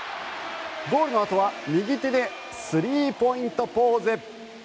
ゴールのあとは右手でスリーポイントポーズ。